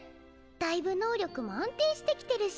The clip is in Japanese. だいぶ能力も安定してきてるし。